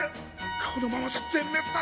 このままじゃ全滅だ！